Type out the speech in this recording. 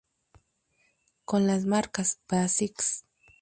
Con las marcas "Basics!